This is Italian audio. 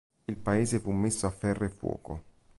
Il paese fu messo a ferro e fuoco.